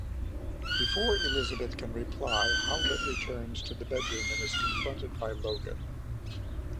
Before Elizabeth can reply, Howlett returns to the bedroom and is confronted by Logan.